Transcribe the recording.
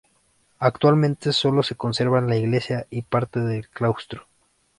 Actualmente solo se conservan la iglesia y parte del claustro.